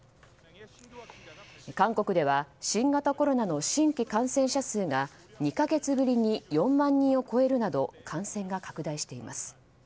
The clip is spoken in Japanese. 韓国では新型コロナの新規感染者数が２か月ぶりに４万人を超えるなど感染が拡大しています。